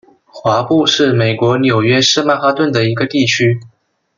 华埠是美国纽约市曼哈顿的一个地区。